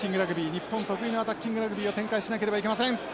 日本得意のアタッキングラグビーを展開しなければいけません。